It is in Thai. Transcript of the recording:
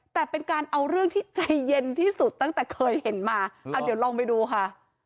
แต่เป็นการเอาเรื่องที่ใจเย็นที่สุดตั้งแต่เคยเห็นมาเอาเดี๋ยวลองไปดูค่ะ